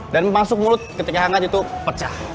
dan masuk mulut ketika hangat itu pecah